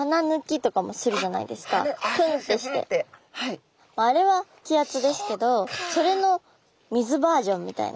まああれは気圧ですけどそれの水バージョンみたいな。